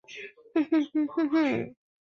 松岭鸟属是白垩纪早期的史前鸟类。